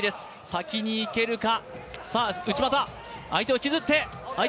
先にいけるか。